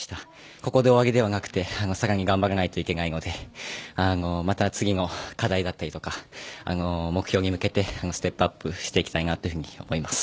ここで終わりではなくて更に頑張らないといけないのでまた次の課題だったり目標に向けてステップアップしていきたいと思います。